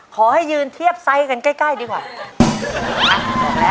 ขอให้ยืนเทียบไซส์กันใกล้ดีกว่า